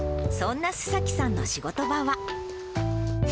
そんな周崎さんの仕事場は。